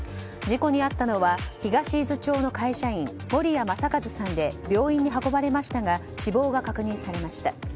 事故に遭ったのは東伊豆町の会社員守屋雅和さんで病院に運ばれましたが死亡が確認されました。